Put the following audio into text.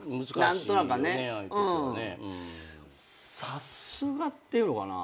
さすがっていうのかな。